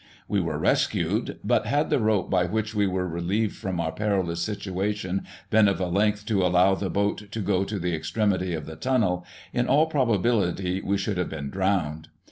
We were rescued, but, had the rope by which we were relieved from our perilous situation been of a length to allow the boat to go to the extremity of the tunnel, in all probability we should have been drowned.